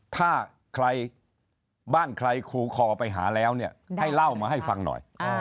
ถ้าใครบ้านใครคูคอไปหาแล้วเนี่ยให้เล่ามาให้ฟังหน่อย